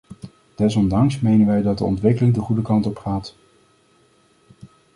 Desondanks menen wij dat de ontwikkeling de goede kant op gaat.